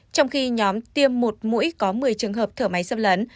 trong khi nhóm tiêm một mũi có một mươi trường hợp thở máy xâm lấn